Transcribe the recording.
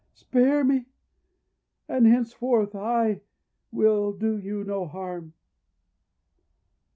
spare me! And henceforth I will do you no harm!'